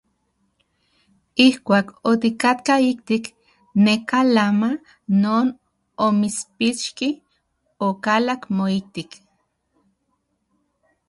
Ijkuak otikatka ijtik neka lama non omitspixki, okalak moijtik.